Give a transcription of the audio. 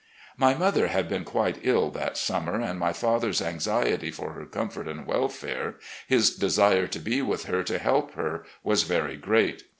My mother had been quite ill that summer, and my father's anxiety for her comfort and welfare, his desire to be with her to help her, was very great.